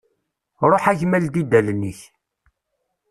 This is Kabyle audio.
Ruḥ a gma ldi-d allen-ik.